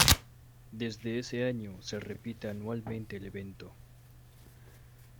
Desde ese año se repite anualmente el evento.